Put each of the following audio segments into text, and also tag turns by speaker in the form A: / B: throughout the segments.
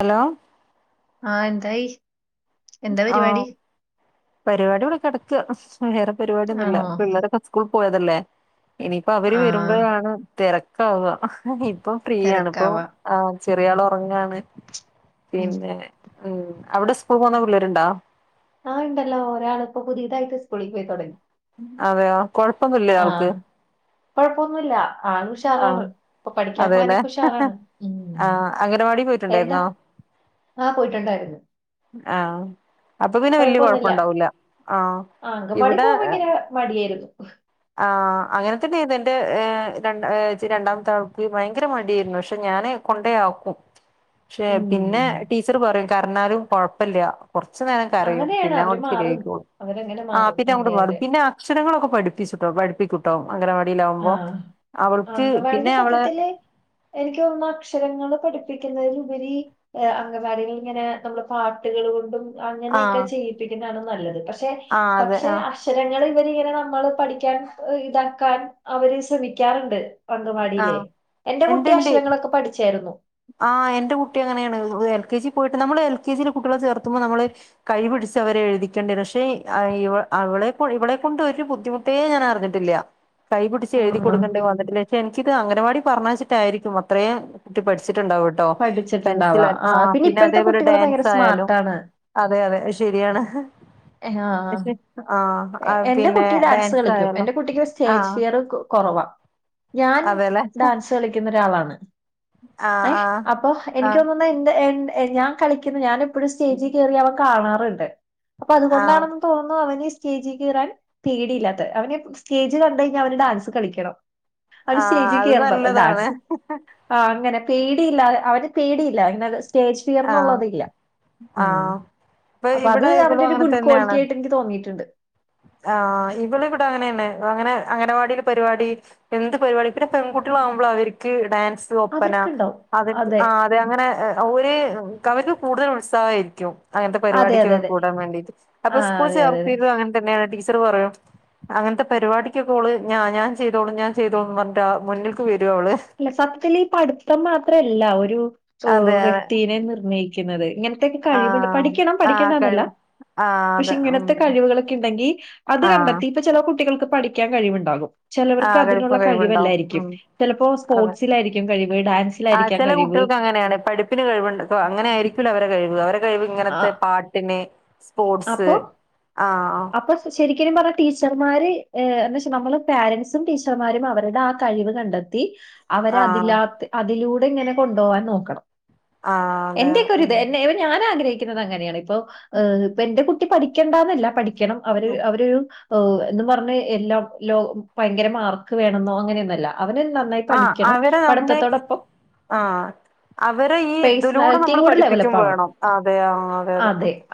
A: Hello
B: ആ എന്തായി എന്താ
A: ആഹ്
B: പരിപാടി
A: പരിപാടി ഇവിടെ കെടക്കുകാ വേറെ
B: ആണോ
A: പരിപാടിയൊന്നുല്ലാ പിള്ളേരൊക്കെ സ്കൂള് പോയതല്ലേ ഇനിയിപ്പോ അവര്
B: ആ
A: വരുമ്പഴാണ് തെരക്കാവുവാ ഇപ്പൊ ഫ്രീയാണ് ഇപ്പൊ
B: തിരക്കാവാ
A: ആം ചെറിയാള് ഒറങ്ങാണ്
B: ഉം.
A: പിന്നെ ഉം അവിടെ സ്കൂള് പോണ പിള്ളേരൊണ്ടോ
B: ആ ഉണ്ടല്ലോ ഒരാളിപ്പൊ പുതിയതായിട്ട് സ്കൂളി പോയി തൊടങ്ങി.
A: അതെയോ കൊഴപ്പൊന്നുല്ലേ ആൾക്ക്
B: കൊഴപ്പൊന്നുല്ലാ ആള്
A: ആഹ്
B: ഉഷാറാണ് ഇപ്പൊ പഠിക്കാൻ
A: അതെല്ലെ
B: പോയാനൊക്കെ ഉഷാറാണ് ഉം
A: ആഹ് അംഗനവാടി പോയി
B: എന്താ ആ പോയിട്ടൊണ്ടായിരുന്നു.
A: ആ അപ്പൊ പിന്നെ വല്യ
B: കുഴപ്പമൊന്നുമില്ല
A: കൊഴപ്പൊണ്ടാവൂല ആ
B: അംഗൻവാടി
A: ഇവിടെ
B: പോകാൻ ഭയങ്കര മടിയായിരുന്നു.
A: ആഹ് അങ്ങനെത്തന്നേന്നു എന്റേ ഏ രണ്ടാ ഏച്ചി രണ്ടാമത്തവക്ക് ഭയങ്കര മടിയേരുന്നു പക്ഷെ ഞാന്. കൊണ്ടെയാക്കും. പക്ഷേ പിന്നെ
B: ഉം.
A: ടീച്ചറുപറയും കരഞ്ഞാലും കൊഴപ്പല്ലാ. കൊറച്ചുനേരം കരയും
B: അങ്ങനെയാണ്
A: പിന്നെ
B: അവര്
A: അങ്ങോട്ട്
B: മാറും
A: ശെരിയായിക്കോളും
B: അവരങ്ങനെ
A: ആ
B: മാറും
A: പിന്നെയങ്ങോട്ടു
B: അതെ
A: മാറും
B: അതെ
A: പിന്നെ അ അക്ഷരങ്ങളൊക്കെ പഠിപ്പിച്ചുട്ടോ പഠിപ്പിക്കുട്ടോ
B: ആ
A: അംഗനവാടിയിലാകുമ്പോ അവൾക്ക് പിന്നെ അവള്
B: എനിക്കൊന്നു അക്ഷരങ്ങള് പഠിപ്പിക്കുന്നതിലുപരി എ അംഗവാടിലിങ്ങനെ നമ്മള് പാട്ടുകളു കൊണ്ടും. അങ്ങനെയൊക്കെ
A: ആഹ്
B: ചെയ്യിപ്പിക്കുന്നതാണ് നല്ലത് പക്ഷെ
A: ആഹ് അതെ
B: പക്ഷെ.
A: ആഹ്
B: അക്ഷരങ്ങള് ഇവര് ഇങ്ങനെ നമ്മള് പഠിക്കാൻ ഇതാക്കാൻ അവര് ശ്രമിക്കാറുണ്ട്. അംഗൻവാടിയില്
A: ആഹ്
B: എന്റെ
A: ഇണ്ട്
B: കുട്ടി
A: ഇണ്ട്
B: അക്ഷരങ്ങളൊക്കെ പഠിച്ചായിരുന്നു.
A: ആഹ് എന്റെ കുട്ടി അങ്ങനെയാണ് എൽ കെ ജി പോയിട്ട് നമ്മള് എൽ കെ ജി ലെ കുട്ടികളെ ചേർത്തുമ്പോ നമ്മള്. കൈ പിടിച്ച് അവരെ എഴുതിക്കേണ്ടി വരും, പക്ഷെ ആഹ് ഇവൾ അവളെ കൊ ഇവളെ കൊണ്ട് ഒരു ബുദ്ധിമു ട്ടെ ഞാൻ അറിഞ്ഞിട്ടില്ല, കൈപിടിച്ച് എഴുതി
B: ആ,
A: കൊടുക്കേണ്ടി വന്നിട്ടില്ല. എനിക്കിത് അംഗനവാടി പറഞ്ഞയച്ചിട്ട് ആയിരിക്കും അത്രയും കുട്ടി പഠിച്ചിട്ടുണ്ടാവും. ട്ടോ
B: പഠിച്ചിട്ടുണ്ടാവാ
A: പെൻസില്
B: ആ,
A: ആഹ് പിന്നെ
B: ഇപ്പോഴത്തെ
A: അതേപോലെ
B: കുട്ടികൾ ഭയങ്കര
A: ഡാൻസ് ആയാലും.
B: സ്മാർട്ടാണ്
A: അതെ അതെ അത് ശരിയാണ്.
B: ഏഹ് ആഹ്
A: പക്ഷെ ആഹ്
B: എ എന്റെ
A: പിന്നെ
B: കുട്ടി ഡാൻസ് കളിക്കും,
A: ആയാലോ
B: എന്റെ കുട്ടിക്ക് ഒരു സ്റ്റേജ്
A: ആഹ്
B: ഫിയർ കൊ കൊറവാ. ഞാൻ
A: അതെല്ലേ
B: ഡാൻസ് കളിക്കുന്ന ഒരാളാണ്,
A: ആഹ്
B: ഏഹ്
A: ആഹ്
B: അപ്പൊ എനിക്ക്
A: ആഹ്
B: തോന്നു ന്നേ എന്റെ എന്റെ ഞാൻ കളിക്കുന്നു ഞാനിപ്പോഴും സ്റ്റേജിൽ കേറി അവൻ കാണാറുണ്ട്. അപ്പൊ
A: ആഹ്
B: അതുകൊണ്ടാണെന്ന് തോന്നുന്നു അവന്. സ്റ്റേജിൽ കേറാൻ പേടില്ലാത്തെ അവന് സ്റ്റേജ് കണ്ടുകഴിഞ്ഞാൽ അവന് ഡാൻസ് കളിക്കണം. അവന്
A: ആഹ്
B: സ്റ്റേജിൽ
A: അത്
B: കേറണം
A: നല്ലതാണ്
B: ഡാൻസും. ആഹ് അങ്ങനെ പേടിയില്ലാതെ അവന് പേടിയില്ല അതിന്. സ്റ്റേജ് ഫിയർ
A: ആഹ്
B: എന്നുള്ളതില്ല, ഉം
A: ആഹ് ഇപ്പൊ
B: അപ്പോ അത്
A: ഇവിടെ
B: അവന്റെ
A: ഇവളും
B: ഒരു
A: അങ്ങനെ
B: ഗുഡ്
A: തന്നെയാണ്
B: ക്വാളിറ്റി ആയിട്ട് എനിക്ക്. തോന്നിയിട്ടുണ്ട്.
A: ആഹ് ഇവള് ഇവിടെ അങ്ങനെയാണ് അങ്ങനെ അംഗനവാടില് പരിപാടി. എന്ത് പരിപാടി പിന്നെ പെൺകുട്ടികൾ ആവുമ്പോഴേ അവരെക്ക് ഡാൻസും ഒപ്പന അത് എനിക്ക് ആഹ്. അതെ അങ്ങനെ ഓര് കഴിവ് കൂടുതൽ ഉത്സാഹമായിരിക്കും. അങ്ങനത്തെ
B: അതെ അതെ
A: പരിപാടിക്കൊക്കെ
B: അതെ
A: കൂടാൻ വേണ്ടിയിട്ട്
B: ആ
A: അപ്പൊ സ്കൂളിൽ
B: അതെ അതെ അതെ
A: ചേർത്തിരുന്നോ അങ്ങനെ തന്നെയാണ് ടീച്ചറ് പറയും. അങ്ങനത്തെ പരിപാടിക്കൊക്കെ ഓള് ഞാ ഞാൻ ചെയ്തോളും ഞാൻ ചെയ്തോളും പറഞ്ഞിട്ട് ആഹ് മുന്നിൽ. ക്ക് വരും അവള്.
B: അല്ല സത്യത്തിൽ ഈ പഠിത്തം മാത്രമല്ല ഒരു
A: അതെ
B: ഓഹ്
A: അതെ
B: വ്യക്തിനെ നിർണ്ണയി ക്കുന്നത് ഇങ്ങനത്തെ ഒക്കെ കഴിവുണ്ട്
A: ആഹ് അതെ
B: പഠിക്കണം
A: ആഹ്
B: പഠിക്കേണ്ടന്നല്ല.
A: കഴിവ് ആഹ്
B: പക്ഷെ
A: അതെ ഉം
B: ഇങ്ങനത്തെ കഴിവുകളൊക്കെ ഇണ്ടെങ്കിൽ അത്
A: ആഹ്
B: കണ്ടെത്തി. ഇപ്പൊ ചെല കുട്ടികൾക്ക് പഠിക്കാൻ കഴിവുണ്ടാകും, ചെലവർക്ക്
A: ആഹ്
B: അതിനുള്ള
A: കളിപ്പും കഴിവുണ്ടാവും
B: കഴിവല്ലായിരിക്കും
A: ഉം
B: ചെലപ്പോ.
A: അതെ
B: സ്പോർട്സിലായിരിക്കും കഴിവ്
A: ആ
B: ഡാൻസിലായിരിക്കാം
A: ചില
B: കഴിവ്.
A: കുട്ടികൾക്ക് അങ്ങനെയാണ് പഠിപ്പിന് കഴിവുണ്ട് ഇപ്പൊ അങ്ങനായിരിക്കൂല അവരെ കഴിവ്, അവരെ കഴിവ്
B: ആ
A: ഇങ്ങനത്തെ പാട്ടിന്. സ്പോർസ്
B: അപ്പൊ
A: ആഹ്.
B: അപ്പൊ ശരിക്കിനും പറഞ്ഞാൽ ടീച്ചർമാര് ഏഹ് എന്താവെച്ചാൽ നമ്മള് പോരന്റ്സും ടീച്ചർമാരും അവരുടെ ആഹ് കഴിവ് കണ്ടെ ത്തി അവരെ
A: ആഹ്
B: അതില്ലാത് അതിലൂടെ ഇങ്ങനെ കൊണ്ടുപോവാൻ നോക്കണം.
A: ആഹ് അതെ
B: എന്റെ ഒക്കെ ഒരു
A: അതെ
B: ഇത് എന്നെ. ഞാൻ ആഗ്രഹിക്കുന്നത് അങ്ങനെയാണ്, ഇപ്പൊ ഏഹ് ഇപ്പൊ എന്റെ കുട്ടി പഠിക്കേണ്ട എന്നല്ല പഠിക്കണം. അവര്
A: ഉം
B: അവരൊരു ഓഹ് എന്നു പറഞ്ഞ് എല്ലാം ലോ ഭയങ്കര മാർക്ക് വേണെന്നോ അങ്ങനെയൊന്നല്ല. അവന് നന്നായി
A: ആഹ്
B: പഠിക്കണം
A: അവരെ നമ്മള്
B: പഠിത്തത്തോടൊപ്പം.
A: ആഹ് അവരെ ഈ ഇതിലൂടെ
B: പേഴ്സണാലിറ്റിയും
A: നമ്മള്
B: കൂടെ
A: പഠിപ്പിക്കു
B: ഡെവലപ്പ് ആവണം.
A: വേണം അതെയാം അതെ അതെ.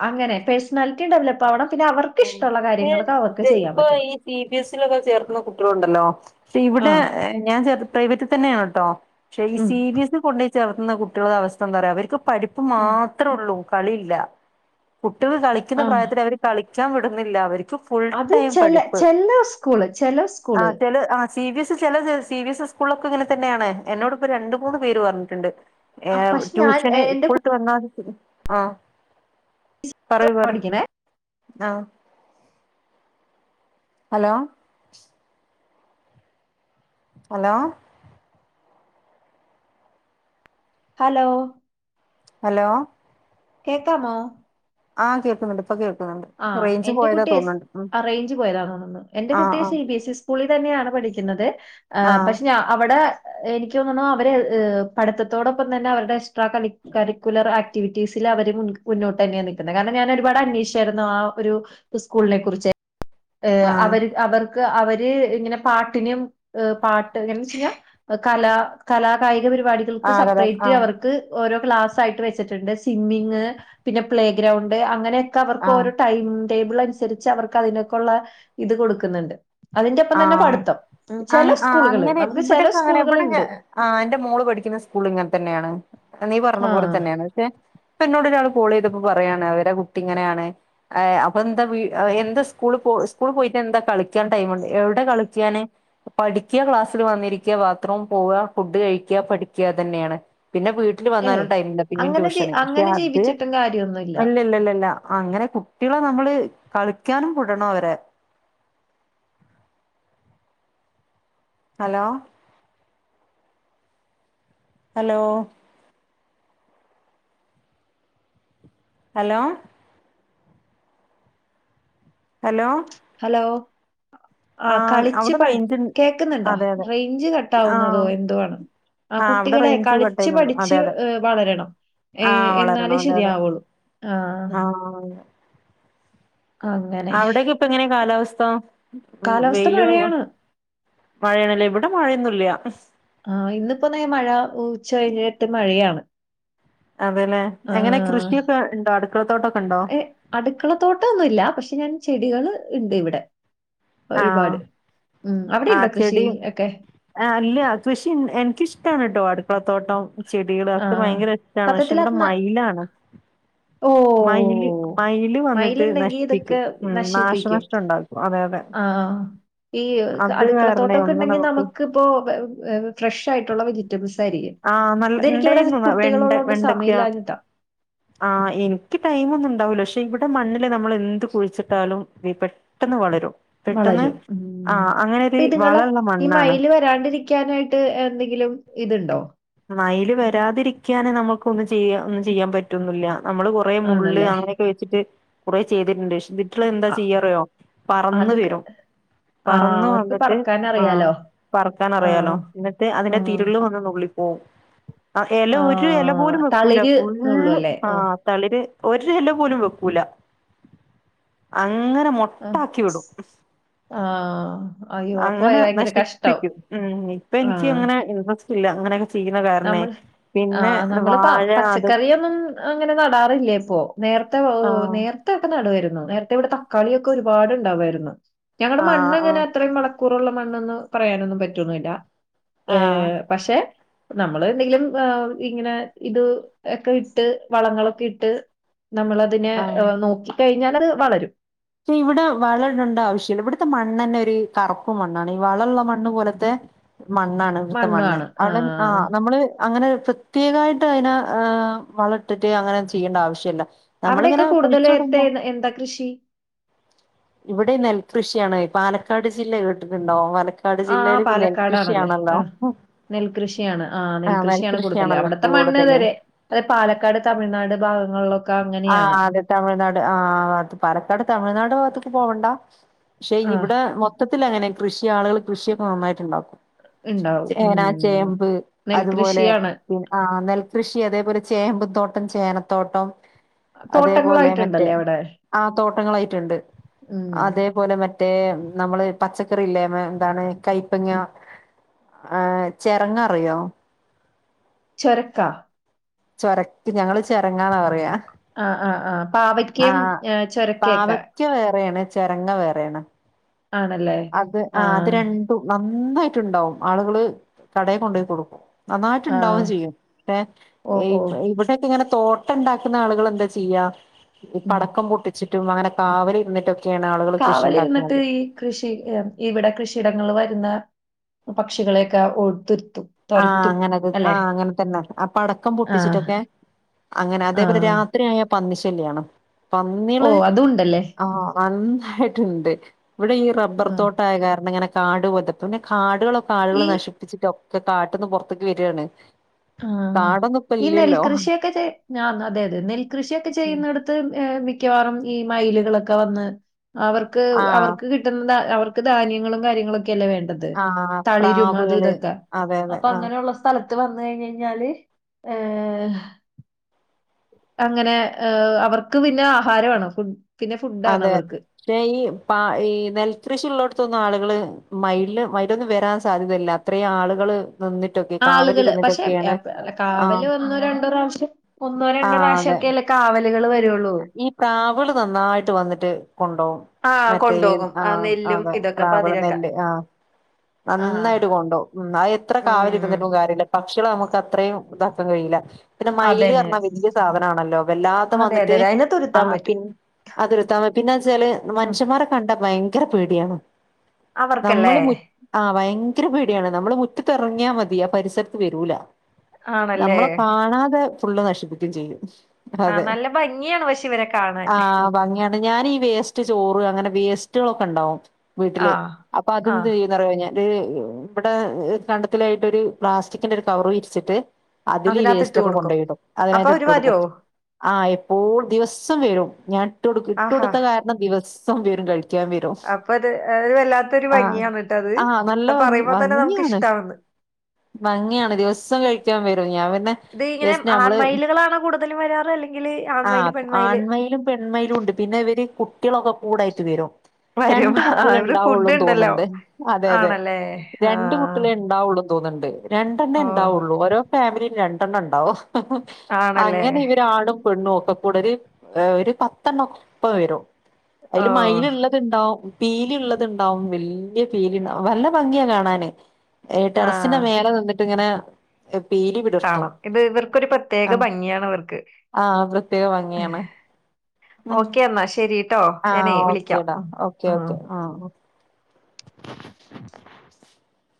B: അങ്ങനെ പേഴ്സണാലിറ്റി ഡെവലപ്പ് ആവണം പിന്നെ അവർക്ക് ഇഷ്ട്ടുള്ള കാര്യങ്ങള് അവർക്ക്.
A: ദേ
B: ചെയ്യാൻ
A: ഇപ്പൊ
B: പറ്റണം.
A: ഈ സി ബി എസ് ഇ ലൊക്കെ ചേർക്കുന്ന കുട്ടികളുണ്ടല്ലോ, പക്ഷെ
B: ആ.
A: ഇവിടെ. ഞാൻ ചേർത്ത് പ്രൈവറ്റിൽ തന്നെയാണ് ട്ടോ, പക്ഷെ ഈ
B: ഉം.
A: സി ബി എസ് ഇ കൊണ്ടേയ്. ചേർത്തുന്ന കുട്ടിയോള് അവസ്ഥ എന്തറിയോ, അവർക്ക് പഠിപ്പ് മാ
B: ഉം.
A: ത്രയുള്ളൂ കളിയില്ല കുട്ടികൾ കളിക്കുന്ന
B: ആ.
A: പ്രായത്തില് അവര് കളിച്ചാന് വിടുന്നില്ല അവരെ. ഫുൾ
B: അത്
A: ടൈം
B: ചെല
A: പഠിപ്പ്.
B: ചെല സ്കൂള് ചെല സ്കൂള്.
A: ആഹ് ച്ചല് ആഹ് സി ബി എസ് ചെല സി ബിസ്സ് സ്കൂളൊക്കെ ഇങ്ങനെ തന്നെയാണ്. എന്നോട് പ്പ രണ്ടു മൂന്ന് പേര് പറഞ്ഞിട്ടുണ്ട്.
B: ആ
A: ഏഹ്
B: പക്ഷെ ഞാൻ
A: ട്യൂഷന്
B: എ- എന്റെ
A: സ്കൂൾട്ട് വന്നാ ആഹ്
B: കുട്ടി
A: പറയൂ പറ.
B: പഠിക്കണേ.
A: ആഹ് ഹലോ? ഹലോ.
B: ഹലോ
A: ഹലോ
B: കേക്കാമോ?
A: ആഹ് കേക്കുന്നുണ്ട്. പ്പം കേക്കുന്നുണ്ട്.
B: ആഹ് എന്റെ കുട്ടി ആഹ് റേഞ്ച് പോയതോന്നുണ്ട്. എന്റെ
A: ആഹ്
B: കുട്ടി സി
A: ആഹ്
B: ബി എസ് ഇ സ്കൂളിൽ തന്നെയാണ് പഠിക്കുന്നത്. ഏഹ്
A: ആഹ്
B: പഷേ ഞാ അവടെ എനിയ്ക്കോന്നുണു അവരെ പഠിത്ത ത്തോടൊപ്പം തന്നെ അവരുടെ എക്സ്ട്രാ കരി കരിക്കുലർ ആക് ആക്ടിവിറ്റീസിൽ അവര് മുന്നൊട്ട ന്നെയ നിക്ക്‌ണെ. കാരണം ഞാൻ ഒരുപാട് അന്വേഷി ചേരുന്ന ആഹ് ഒരു സ്കൂൾനെ കുറിച്ച് ഏഹ്
A: ആഹ്
B: അവർ അവർ ക്ക് അവര് ഇങ്ങനെ പാട്ടിനും ഏഹ് പാട്ട്. എന്നചിയ കലാ കലാകായിക പരിപാടികൾക്ക്
A: ആഹ് കല
B: സെപ്പറേറ്റ്
A: ആഹ്
B: അവർ ക്ക് ഓരോ ക്ലാസായിട്ട് വെച്ചിട്ടുണ്ട്. സിമ്മിംങ്ങ് പിന്നെ പ്ലേ ഗ്രൗണ്ട് അങ്ങനെ ക്കവർക്ക്
A: ആഹ്
B: ഓരോ ടൈം ടേബിളനുസരിച്ച് അവർക്ക് അയിനൊക്കുള്ള ഇത് കൊടുക്കുന്നുണ്ട്. അതിന്റെ പ്പം തന്നെ
A: ആഹ്
B: പഠിത്തം. ചെല
A: ആഹ് ആഹ്
B: സ്കൂളുകള്
A: അങ്ങനെ
B: നമുക്ക് ചെല
A: ഇവിടെക്കെ അങ്ങനെ
B: സ്കൂളുകള്
A: ഇവിടെ ഞ
B: ണ്ട്.
A: ആഹ് ന്റെ മോള് പഠിക്കുന്ന സ്കൂൾ ഇങ്ങനെ തന്നെയാണ്. നീ പറഞ്ഞ പോലെ
B: ആഹ്
A: തന്നെയാണ്. ഏഹ് പ്പന്നോട് ഒരാള് കോളെയ്തപ്പോ പറയാണ് അവരുടെ കുട്ടി ഇങ്ങനെയാണ്. ഏഹ് അപ്പൊന്താ എന്താ സ്കൂള് സ്കൂള് പോയിട്ട് എന്താ കളിക്കാൻ ടൈമ് എവിടെ കളിക്കാന്. പഠിയ്ക്യ, ക്ലാസ്സിൽ വന്നിരിയ്ക്യ, ബാത്റൂം പോവ, ഫുഡ് കഴിയ്ക്യ, പഠിയ്ക്യ അതെന്നാണ്. പിന്നെ വീട്ടില് വന്നാലും
B: ഏഹ്
A: ടൈമില്ല. പിന്നിം
B: അങ്ങനെ
A: ട്യൂഷന്. ക്ഷെ
B: അങ്ങനെ
A: അത്
B: ജീവിച്ചിട്ടും കാര്യൊന്നുല്ല
A: അല്ലല്ലല്ല. അങ്ങനെ കുട്ട്യളെ നമ്മള് കളിക്കാനും വിടണം ഓരെ. Hello hello hello hello
B: hello
A: ആ
B: ആഹ് കളിച്ചു
A: അവിടെ
B: പ
A: റേഞ്ച്
B: കേക്കുന്നുണ്ടോ?
A: അതെ അതെ
B: റേഞ്ച്
A: ആ
B: കട്ടാവുന്നതോ. എന്തോ ആണ്. ആഹ്
A: ആ അവിടെ
B: കുട്ടികളെ
A: റേഞ്ച് കട്ട്
B: കളിച്ച്
A: ചെയ്യുന്നുണ്ട് അതെ
B: പഠിച്ച്
A: അതെ
B: വളരണം.
A: ആ
B: ഏഹ്
A: വളരണം
B: എന്നാലേ
A: അതെ അതെ
B: ശരിയാവുള്ളൂ. ആഹ്
A: ആ
B: അങ്ങനെ
A: അവിടൊക്കെ പ്പങ്ങനെ കാലാവസ്ഥ.
B: കാലാവസ്ഥ
A: വെയിലു
B: മഴയാണ്
A: മഴയാണ്ലേ. ഇവിടെ മഴയൊന്നുല്ല.
B: ആഹ് ഇന്നിപ്പന്നേ മഴ ഉച്ച കഴിഞ്ഞിട്ട് മഴയാണ്.
A: അതെലെ. എങ്ങനെ
B: ആഹ്
A: കൃഷിയൊക്കെ ണ്ടോ? അടുക്കളത്തോട്ടൊക്കെണ്ടോ?
B: അടുക്കള തോട്ടന്നുല്ല. പക്ഷെ ഞാൻ ചെടികള് ഉണ്ട് ഇവിടെ.
A: ആ
B: ഒരുപാട്. ഉം അവിടെ ഉണ്ടോ കൃഷി ഒക്കെ.
A: ആഹ് ല്യ. കൃഷി എനിക്കിഷ്ട്ടാണ് ട്ടോ അടുക്കളത്തോട്ടം. ചെടികള് ഒക്കെ
B: ആഹ്
A: ഭയങ്കര ഇഷ്ടാണ്. പക്ഷെ ഇവിടെ മയിലാണ്.
B: ഓഹ്
A: മയില്
B: ഓഹ്
A: മയില് വന്നിട്ട്
B: മയില്ണ്ടെങ്കി ഇതൊക്കെ
A: നശിപ്പിക്കും ഉം
B: നശിപ്പിക്കും
A: നാശനഷ്ടം ഉണ്ടാക്കും അതെ അതെ
B: ആഹ് ഈ
A: അത് കാരണേ ഒന്നും
B: അടുക്കളത്തോട്ടക്കൊണ്ടെങ്കി
A: നമുക്ക്
B: നമുക്ക്പ്പോ ഫ്രഷ് ആയിട്ടുള്ള വെജി സംസാരിക്കും
A: ആ നല്ല
B: ഇതെനിക്കിവിടെ
A: ഉണ്ടായിരുന്നു ന-
B: കുട്ടികളുള്ളോണ്ട് സമയല്ലാഞ്ഞിട്ടാ
A: ആഹ് എനിക്ക് ടൈം ഒന്നും ഉണ്ടാവൂല പക്ഷെ ഇവിടെ മണ്ണില് നമ്മള് എന്ത് കുഴിച്ചിട്ടാലും പെ ട്ടെന്ന് വളരും പെട്ടെന്ന്
B: വളരും
A: ആ
B: ഉം
A: അങ്ങനൊരു
B: ഇപ്പ ഇതിങ്ങളെ
A: വളള്ള
B: ഈ
A: മണ്ണാണ്
B: മയില് വരാണ്ടിരി ക്കാനായിട്ട് എന്തെങ്കിലും ഇതുണ്ടോ
A: മയില് വരാതിരിക്കാനെ നമുക്ക് ഒന്നും ചെയ്യ ഒന്നും ചെയ്യാൻ പറ്റൊന്നില്ല നമ്മള് കൊറേ മുള്ള്
B: ആണല്ലേ
A: അങ്ങനെ പേട്ച്ചിട്ട് കുറേ ചെയ്തിട്ടുണ്ട് എന്നിട്ട് എന്താ
B: അ-
A: ചെയ്യാറോ പറന്ന്
B: അത് ക-
A: വരും
B: ആ
A: പറന്നു
B: അവർക്ക്
A: വന്നിട്ട്
B: പറക്കാൻ
A: ആഹ്
B: അറിയാലോ
A: പറക്കാൻ
B: ആ
A: അറിയാലോ എന്നിട്ട്
B: ആ
A: അതിന്റെ തിരുള്ള് വന്ന് നുള്ളി ഓഹ് ആ ഇല ഒരു ഇല പോലും വെക്കൂല
B: തളിര് എന്നുള്ളു
A: ഫുള്ള്
B: അല്ലേ ഓ
A: ആഹ് തളിര് ഒരു ഇല പോലും വെക്കൂല അങ്ങനെ മൊ
B: അഹ് ആഹ്
A: അങ്ങനെ നശിപ്പിക്കും ഉം ഇപ്പൊ
B: ആ
A: എനിക്ക് അങ്ങനെ ഇൻട്രസ്റ്റ് ഇല്ല അങ്ങനെ ചെയ്യുന്ന കാരണേ
B: നമ്മൾ
A: പിന്നെ
B: ആഹ് നമ്മള് പ
A: വാഴ അത്
B: പച്ചക്കറിയൊന്നും അങ്ങനെ നടാറില്ലേ ഇപ്പോൊനേരത്തെ
A: ആഹ്
B: നേ തൊക്കെ നടുവായിരുന്നു നേരത്തെ ഇവിടെ തക്കാളിയൊക്കെ ഒരുപാട് ഉണ്ടാവായിരുന്നു ഞങ്ങളുടെ മണ്ണ്
A: ആഹ് ആഹ്
B: അങ്ങനെ അത്രയും വള ക്കൂറുള്ള മണ്ണന്ന് പറയാനൊന്നും പറ്റന്നില്ല
A: ആഹ്
B: ഏഹ് പക്ഷെ നമ്മള് എന്തെങ്കിലും ഇങ്ങനെ ഇത് ഒക്കെ ഇട്ട് വളങ്ങളൊക്കെ ഇട്ട് നമ്മളതിനെ
A: ആഹ്
B: നോക്കിക്കഴിഞ്ഞാല് അത് വളരും
A: ഇവിടെ വളം ഇടേണ്ട ആവശ്യില്ല ഇവിടത്തെ മണ്ണന്നെ ഒരു കറുപ്പു മണ്ണാണ് ഈ വളള്ള മണ്ണ് പോലത്തെ മണ്ണാണ് ഇവട്ത്ത മണ്ണ് അവിടെ ആഹ് നമ്മള് അങ്ങനെ പ്രത്യേകായിട്ട് അയിനെ വളട്ടിട്ട് അങ്ങനെ ചെയ്യേണ്ട ആവശ്യല്ല
B: അവിടെക്കെ
A: നമ്മളിങ്ങനെ
B: കൂടുതല്ത്തെ
A: കുഴിച്ചിടുമ്പോ
B: എന്താ കൃഷി
A: ഇവിടെ നെൽകൃഷിയാണ് പാലക്കാട് ജില്ല കേട്ടിട്ടുണ്ടോ പാലക്കാട്
B: ആഹ്
A: ജില്ലയില്
B: പാലക്കാടാണല്ലേ
A: നെൽകൃഷിയാണല്ലോ
B: നെൽകൃഷിയാണ് ആ
A: ആഹ്
B: നെൽകൃഷിയാണ് കൂടുതല്
A: നെൽകൃഷിയാണല്ലോ
B: അവിടത്തെ മണ്ണ്
A: കൂടുതല്
B: തരെ അതെ പാലക്കാട് തമിഴ്നാട് ഭാഗങ്ങളിലൊ
A: ആഹ് അതെ തമിഴ്നാട് ആഹ് ആ ഭാത്ത്‌ പാലക്കാട് തമിഴ്നാട് ഭാഗത്ത്‌ക്ക് പോവണ്ടാ പക്ഷെ
B: ആ
A: ഇവിടെ മൊത്തത്തിൽ അങ്ങനെ കൃഷി ആളുകൾ കൃഷിയൊക്കെ നന്നായിട്ട് ഇണ്ടാക്കും
B: ഇണ്ടാവും
A: ചേനാ
B: ഉം
A: ചേമ്പ് അതുപോലെ
B: നെൽകൃഷിയാണ്
A: പിൻ ആ നെൽകൃഷി അതേപോലെ ചേമ്പും തോട്ടം ചേനത്തോട്ടം അതേപോലെ മറ്റേ
B: തോട്ടങ്ങളായിട്ടുണ്ടല്ലേ അവിടെ
A: ആ തോട്ടങ്ങളായിട്ടുണ്ട്
B: ഉം
A: അതേ പോലെ മറ്റേ നമ്മള് പച്ചക്കറി ഇല്ലേ എന്താണ് കയപ്പങ്ങ ആഹ് ചിറങ്ങറിയോ
B: ചൊരക്ക
A: ചൊരക്ക് ഞങ്ങള് ചിരങ്ങാന്നാ പറയാ
B: ആഹ് ആഹ് ആഹ് പാവക്കയും ചുരക്കയൊക്കെ
A: ക്ക വേറെയാണ് ചിരങ്ങ വേറേണ്
B: ആണല്ലേ
A: അത് ആ അത് രണ്ടും നന്നായിട്ട്ണ്ടാവും ആളുകള് കടേ കൊണ്ടോയി കൊടുക്കും
B: ആ
A: നന്നായിട്ട്ണ്ടാവും ചെയ്യും ഏഹ്
B: ഓ ഓ
A: ഇവിടെക്കെ ഇങ്ങനെ തോട്ട ഇണ്ടാക്കുന്ന ആളുകള് എന്താചെയ്യാ ഈ
B: ഉം
A: പടക്കം പൊട്ടിച്ചിട്ടും അങ്ങനെ കാവലിരുന്നിട്ടൊക്കെ ക്കെയാണ് ആളുകൾ കൃഷി
B: കാവലിരുന്നിട്ട്
A: ഉണ്ടാക്കുന്നത്
B: ഈ കൃഷി ഇവിടെ കൃഷിയിടങ്ങൾ വരുന്ന പക്ഷികളെയൊക്കെ ഓടിത്തിരുത്തും
A: ആഹ അങ്ങനെത് ആഹ് അങ്ങനെ തന്നെ ആ പടക്കം
B: ആ
A: പൊട്ടിച്ചിട്ടൊക്കെ അങ്ങനെ
B: ആ
A: അതേപോലെ രാത്രി ആയാ പന്നിശെല്ലിയാണ്
B: ഓ
A: പന്നീള്
B: അതും ഉണ്ടല്ലേ
A: ആ നന്നായിട്ടുണ്ട് ഇവിടെ ഈ റബ്ബർ
B: ആ
A: തോട്ടായ കാരണം ഇങ്ങനെ കാട് പൊതക്കും പിന്നെ കാടുകളൊ കാടുകള്
B: ഈ
A: നശിപ്പിച്ചിട്ട് ഒക്കെ കാട്ട്ന്ന് പുറത്തേക്ക് വരാണ്
B: ആഹ് ഈ നെൽകൃഷിയൊക്കെ ചെയ് ഞാ അതെ അതെ നെൽകൃഷിയൊക്കെ ചെയ്യുന്നെട മിക്കവാറും ഈ മയിലുകളൊക്കെ വന്ന് അവർക്ക്
A: ആഹ്
B: അവർക്ക് കി കിട്ടണ്ട അവർക്ക് ധാന്യങ്ങളും കാര്യങ്ങളൊക്കെയല്ലേ വേണ്ടത്
A: ആഹ്
B: തളിരും അത്
A: പ്രാവുകള്
B: ഇതൊക്കെ
A: അതെ അതെ
B: അപ്പൊ
A: ആഹ്
B: അങ്ങനെയുള്ള സ്ഥ സ്ഥലത്ത് വന്ന് കഴിഞ്ഞഴിഞ്ഞാല് ഏഹ് അങ്ങനെ ഏഹ് അവർക്ക് പിന്നെ ആഹാരവാണ് ഫു പിന്നെ ഫുഡാണ്
A: അതെ
B: അവർക്ക്
A: പക്ഷെ ഈ പ ഈ നെൽകൃഷി ഉള്ളടത്തൊന്നും ആളുകള് മയില് മയിലൊന്നും വരാൻ സാധ്യതയില്ലാ ഇത്രയും ആളുകള് വന്നി
B: ആളുകള് പക്ഷെ എപ് എപ് അല്ല കാവല്
A: ആഹ്
B: ഒന്നോ രണ്ടോ പ്രാവശ്യം ഒന്നോ രണ്ടോ
A: ആഹ്
B: പ്രാവശ്യം
A: അതെ
B: ഒക്കെല്ലേ കാവലുകള് വരൊള്ളൂ
A: ഈ പ്രാവ്ള് നന്നായിട്ട് വന്നിട്ട് കൊണ്ടോം
B: ആ
A: മറ്റേ ഈ
B: കൊണ്ടുപോകും ആ
A: ആഹ്
B: നെല്ലും
A: അതെ
B: ഇതൊക്കെ
A: പ്രാവ്ള്
B: പതിരൊക്കെ
A: നെല്ല് ആഹ്
B: ആ
A: നന്നായിട്ട് കൊണ്ടോം ഉം അത് എത്ര
B: ഉം
A: കാവലിരുന്നിട്ടും കാര്യല്ലാ പക്ഷികളെ നമുക്ക് അത്രയും ഇതാക്കാൻ കഴിയില്ലാ പിന്നെ മയില്
B: അതന്നെ
A: പറണാ വലിയ സാധനാണല്ലോ വെല്ലാത്ത
B: അതെ അതെ
A: വന്നിട്ട്
B: അതെ അതിനെ
A: ആ
B: തുരുത്താൻ
A: പി
B: പറ്റും
A: അതൊരുത്താ പിന്നെ വെച്ചാല്
B: ഉം
A: മനുഷ്യന്മാരെ കണ്ട ഭയങ്കര പേടിയാണ്
B: അവർക്കല്ലേ
A: നമ്മള് മു ആഹ ഭയങ്കര പെടിയാണ് നമ്മള് മുറ്റത്തെറങ്ങിയാൽ മതി ആ പരിസരത്ത് വരൂല
B: ആണല്ലേ
A: നമ്മളെ കാണാതെ ഫുള്ള് നശിപ്പിക്കയും ചെയ്യും
B: ആ
A: അതെ
B: നല്ല ഭംഗിയാണ് പക്ഷെ ഇവരെ കാണാൻ
A: ആഹ ഭംഗിയാണ് ഞാനീ വെസ് റ്റ് ചോറു അങ്ങനെ വെസ്റ്റുകൾ ഒക്കെ ഉണ്ടാവും വിട്ടില്
B: ആഹ്
A: അപ്പം
B: ആഹ്
A: അതെന്തെയും റ ഞാൻ ഇവിടെ കണ്ടത്തിലായിട്ട് ഒരു പ്ലാസ്റ്റിക്കിന്റെ ഒരു കവറ വിരിച്ചിട്ട് അതില് ഈ
B: അതിനകത്ത് ഇട്ട്
A: വേസ്റ്റ് ഒക്കെ
B: കൊടുക്കും
A: കൊണ്ടപോയിടും
B: അപ്പൊ
A: അതിനായിട്ട് ഇട്ട്
B: അവര്
A: കൊടുക്കും
B: വരുവോ
A: ആഹ് എപ്പോൾ ദിവസം വരും ഞാൻ ഇട്ട്ടു ഇട്ട്
B: ആഹാ
A: കൊടുത്ത കാരണം ദിവസം വരും കഴിക്കും
B: അപ്പൊ അത്ത് വല്ലാത്തൊരു ഭംഗിയാണ് ട്ടോ അത്
A: ആഹ നല്ല
B: അത്
A: ഭംഗി
B: പറയുമ്പോ തന്നെ നമുക്ക്
A: ഭംഗിയിയാണ്
B: ഇഷ്ടാവുന്ന്
A: ഭംഗിയാണ് ദിവസം കഴിക്കാൻ വരും ഞാൻ പിന്നെ
B: ഇത് ഇങ്ങനെ
A: ദിവസ് നമ്മള്
B: ആൺമയിലുകളാണോ കൂടുതലും വരാറ് അല്ലെങ്കിൽ
A: ആ
B: ആൺമയില് പെൺമയില്
A: ആൺമയിലും പെൺമയിലും ഉണ്ട് പിന്നെ ഇവര് കുട്ടികളൊക്കെ കൂടായിട്ട് വരും
B: വരും
A: രണ്ട്
B: ആ
A: കുട്ടികള
B: ഇവിടെ
A: ഉണ്ടാവുള്ളൂ
B: ഫുഡ് ഉണ്ടല്ലോ
A: തോന്നുന്നുണ്ട് അതെ അതെ
B: ആണല്ലേ
A: രണ്ട്
B: ആഹ്
A: കുട്ടികള ഉണ്ടാവുള്ളന്ന് തോന്നിണ്ട് രണ്ടെണ്ണം
B: ഓ
A: ഇണ്ടാവുള്ളൂ ഓരോ ഫാമിലി രണ്ടെണ്ണ ഉണ്ടാവോ
B: ആണല്ലേ
A: അങ്ങനെ ഇവരാ ആണും പെണ്ണും ഒക്കെ കുടൊര് ഒരു പത്തെണ്ണക്ക ഒപ്പം വരും
B: ഓ
A: അതില് മയില് ഉള്ളത്ണ്ടാവും പീലള്ളത്ണ്ടാവും വല്യ പീലീ വല്ല ഭംഗിയാ കാണാന് ടെറസിന്റെ
B: ആഹ്
A: മേലെ നിന്നിട്ടിങ്ങനെ പീലി വിടർ
B: കാണാം ഇത് ഇവർക്കൊരു പ്രത്യേക ഭംഗിയാണ് ഇവർക്ക്
A: ആഹ് പ്രത്യേക ഭംഗിയാണ് ഉം
B: ഓക്കെ എന്നാ ശരിട്ടോ
A: ആഹ്
B: ഞാനേ വിളിക്കാം
A: ഓക്കേടാ
B: ഉം
A: ഓക്കെ
B: ഉം
A: ഓക്കെ ആഹ് [inaudible]